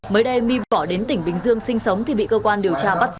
mới đây my bỏ đến tỉnh bình dương sinh sống thì bị cơ quan điều tra bắt giữ